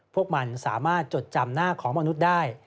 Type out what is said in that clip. พวกมันสามารถจดจำหน้าของมนุษย์ได้